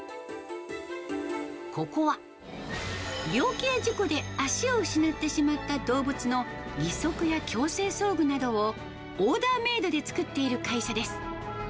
ここは、病気や事故で脚を失ってしまった動物の義足や矯正装具などをオーダーメードで作っている会社です。